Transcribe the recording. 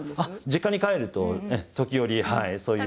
実家に帰ると時折。